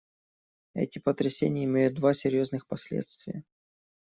Эти потрясения имеют два серьезных последствия.